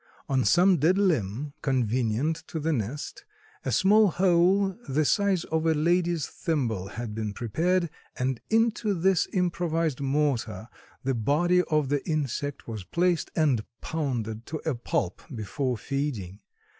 On some dead limb convenient to the nest, a small hole the size of a lady's thimble had been prepared, and into this improvised mortar the body of the insect was placed and pounded to a pulp before feeding.